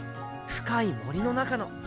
深い森の中の。